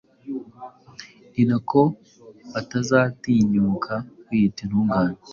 ni nako batazatinyuka kwiyita intungane